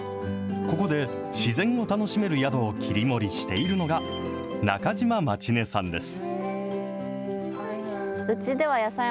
ここで、自然を楽しめる宿を切り盛りしているのが、中島舞宙音さんです。